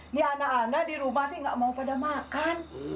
ini anak anak di rumah nggak mau pada makan